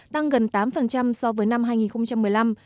tăng gần tám so với năm hai nghìn một mươi năm